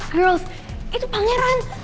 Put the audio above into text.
girls itu pangeran